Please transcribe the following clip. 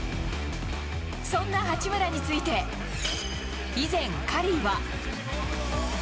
そんな八村について、以前、カリーは。